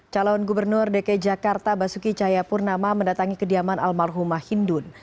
calon gubernur dki jakarta basuki cahayapurnama mendatangi kediaman almarhumah hindun